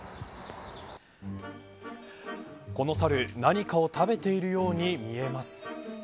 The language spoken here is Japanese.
このサル、何かを食べているように見えます。